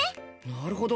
なるほど。